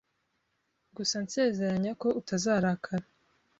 Gusa nsezeranya ko utazarakara.